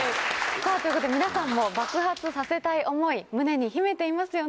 ということで皆さんも爆発させたい想い胸に秘めていますよね。